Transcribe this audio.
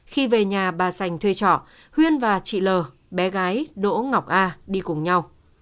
khi về nhà bà xanh thuê trọ huyền và chị l bé gái đỗ ngọc a đi cùng nhau